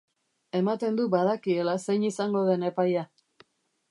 Ematen du badakiela zein izango den epaia.